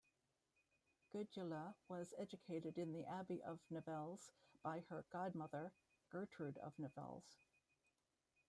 Gudula was educated in the abbey of Nivelles by her godmother, Gertrude of Nivelles.